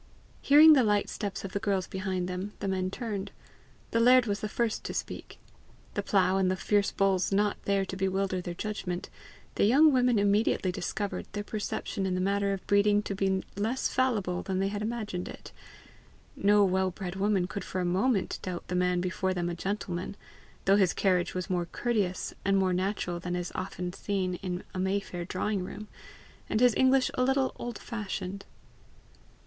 Hearing the light steps of the girls behind them, the men turned. The laird was the first to speak. The plough and the fierce bulls not there to bewilder their judgment, the young women immediately discovered their perception in the matter of breeding to be less infallible than they had imagined it: no well bred woman could for a moment doubt the man before them a gentleman though his carriage was more courteous and more natural than is often seen in a Mayfair drawing room, and his English, a little old fashioned.